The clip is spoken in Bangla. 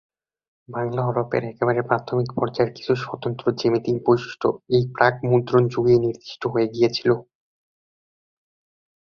বাংলা হরফের একেবারে প্রাথমিক পর্যায়ের কিছু স্বতন্ত্র জ্যামিতিক বৈশিষ্ট্য এই প্রাক-মুদ্রণ যুগেই নির্দিষ্ট হয়ে গিয়েছিল।